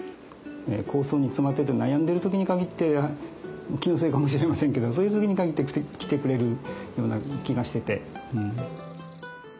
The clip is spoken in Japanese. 構想に詰まってて悩んでる時に限って気のせいかもしれませんけどそういう時に限って来てくれるような気がしてて。